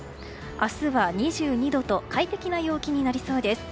明日は２２度と快適な陽気になりそうです。